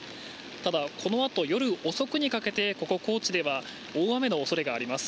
ただこのあと夜遅くにかけてここ高知では、大雨のおそれがあります。